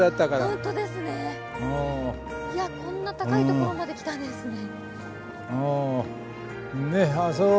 いやこんな高いところまで来たんですね。